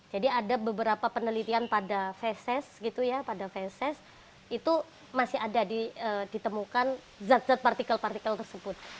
jadi ada beberapa penelitian pada fesis itu masih ada ditemukan zat zat partikel partikel tersebut